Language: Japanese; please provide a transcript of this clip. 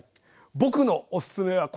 僕のおすすめはこれ！